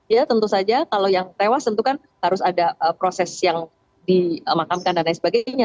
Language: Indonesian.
ya tentu saja kalau yang tewas tentu kan harus ada proses yang dimakamkan dan lain sebagainya